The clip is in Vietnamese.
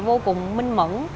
vô cùng minh mẫn